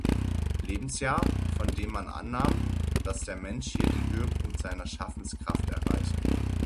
Lebensjahr, von der man annahm, dass der Mensch hier den Höhepunkt seiner Schaffenskraft erreiche.